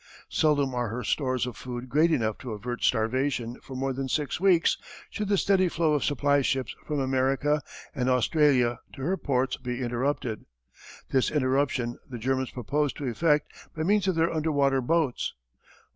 Seldom are her stores of food great enough to avert starvation for more than six weeks should the steady flow of supply ships from America and Australia to her ports be interrupted. This interruption the Germans proposed to effect by means of their underwater boats.